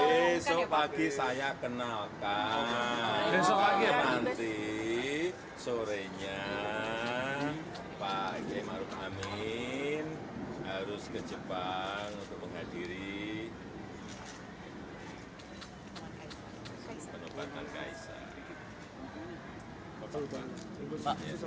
besok pagi saya kenalkan besok pagi nanti sore nya pak jemaruk amin harus ke jepang untuk menghadiri penobatan kaisa